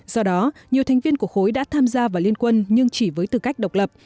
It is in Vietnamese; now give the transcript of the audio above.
do đó nhiều thành viên của khối đã tham gia vào liên quân nhưng chỉ với tư cách độc lập